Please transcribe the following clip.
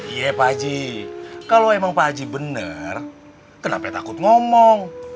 iya pak haji kalau emang pak haji benar kenapa takut ngomong